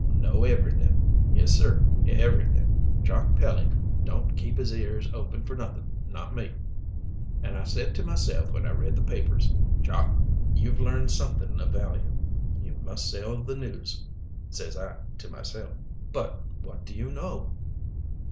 "Know everything; yes, sir, everything. Jock Pelly don't keep his ears open for nothing, not me. An' I said to myself when I read the papers, 'Jock, you've learned something of value you must sell the news,' says I to myself." "But what do you know?"